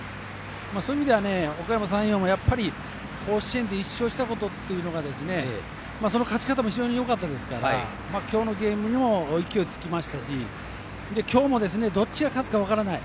そういう意味ではおかやま山陽も甲子園で１勝したことというのはその勝ち方も非常によかったですから勢いもつきましたし今日もどっちが勝つか分からない